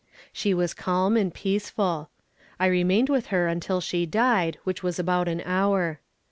She was calm and peaceful. I remained with her until she died, which was about an hour.